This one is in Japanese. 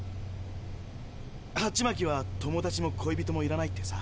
ハチマキは友達も恋人もいらないってさ。